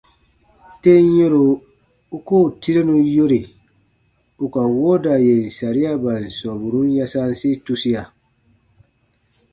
Tem yɛ̃ro u koo tirenu yore ù ka wooda yèn sariaban sɔmburun yasansi tusia.